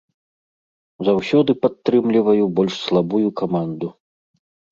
Заўсёды падтрымліваю больш слабую каманду.